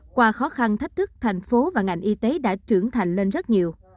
qua khó khăn thách thức thành phố và ngành y tế đã trưởng thành lên rất nhiều